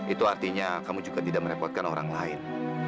itu artinya kamu juga tidak merepotkan orang lain